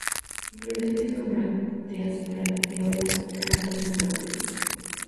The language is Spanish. Inflorescencias con brácteas y bracteolas, rara vez sin brácteas.